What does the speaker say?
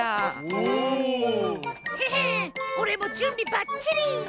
おおっ！へへおれもじゅんびばっちり！